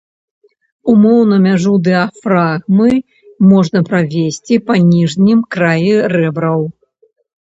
Умоўна мяжу дыяфрагмы можна правесці па ніжнім краі рэбраў.